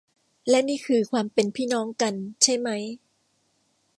และนี่คือความเป็นพี่น้องกัน ใช่มั้ย